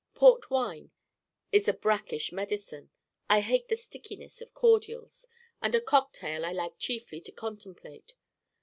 Port wine is a brackish medicine, I hate the stickiness of cordials, and a cocktail I like chiefly to contemplate.